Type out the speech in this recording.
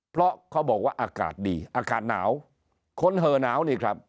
เพราะเขาบอกว่าอากาศดีอากาศหนาวคนเหอหนาวนี่ครับ